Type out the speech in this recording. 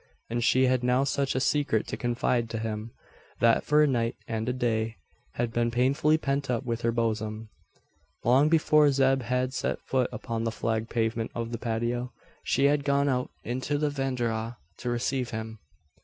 And she had now such a secret to confide to him; that for a night and a day had been painfully pent up within her bosom. Long before Zeb had set foot upon the flagged pavement of the patio, she had gone out into the verandah to receive him.